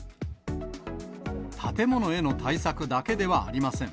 建物への対策だけではありません。